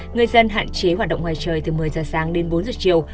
người dân hạn chế hoạt động ngoài trời từ một mươi giờ sáng đến bốn giờ chiều